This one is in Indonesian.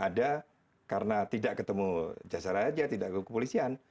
ada karena tidak ketemu jasa raja tidak ketemu kepolisian